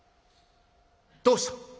「どうした？」。